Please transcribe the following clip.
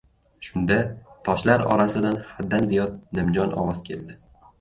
Shunda, toshlar orasidan haddan ziyod nimjon ovoz keldi.